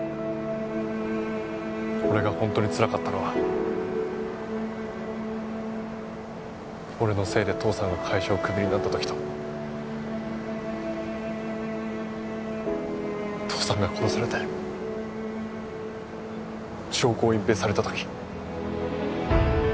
俺が本当につらかったのは俺のせいで父さんが会社をクビになった時と父さんが殺されて証拠を隠蔽された時。